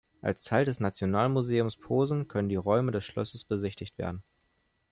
Als Teil des Nationalmuseums Posen können die Räume des Schlosses besichtigt werden.